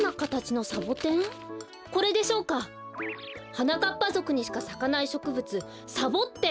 はなかっぱぞくにしかさかないしょくぶつサボッテン。